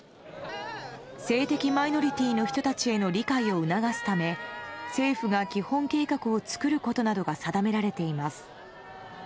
性的マイノリティーの人たちへの理解を促すため政府が基本計画を作ることなどが定められています。